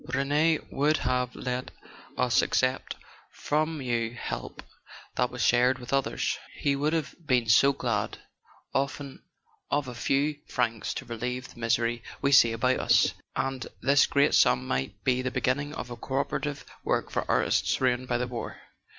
Rene would have let us accept from you help that was shared with others: he would have been so glad, often, of a few francs to relieve the misery we see about us. And this great sum might be the beginning of a co operative work for artists ruined by the war."